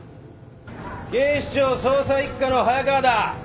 警視庁捜査一課の早川だ。